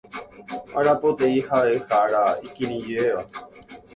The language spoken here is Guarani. Arapoteĩ ha'e ára ikirirĩvéva.